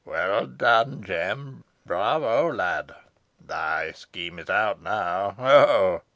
Well done, Jem, bravo! lad. Thy scheme is out now ho! ho!"